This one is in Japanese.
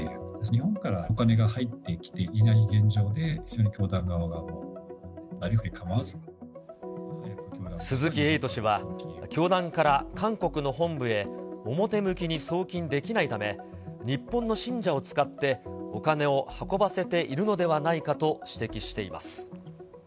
日本からお金が入ってきていない現状で、鈴木エイト氏は、教団から韓国の本部へ、表向きに送金できないため、日本の信者を使ってお金を運ばせているのではないかと指摘しています。